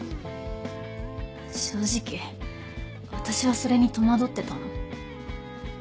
正直私はそれに戸惑ってたの。